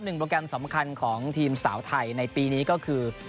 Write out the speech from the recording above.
โปรแกรมสำคัญของทีมสาวไทยในปีนี้ก็คือ